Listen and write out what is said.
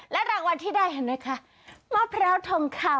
รางวัลที่ได้เห็นนะคะมะพร้าวทองคำ